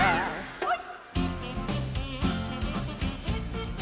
はい！